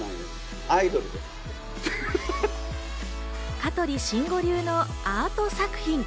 香取慎吾流のアート作品。